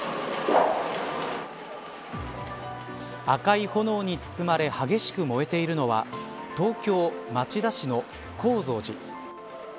赤い炎に包まれ激しく燃えているのは東京、町田市の高蔵寺。